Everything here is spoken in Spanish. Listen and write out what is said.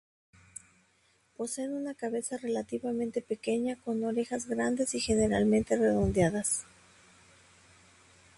Poseen una cabeza relativamente pequeña con orejas grandes y generalmente redondeadas.